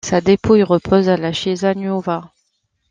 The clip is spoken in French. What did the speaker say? Sa dépouille repose à la Chiesa Nuova.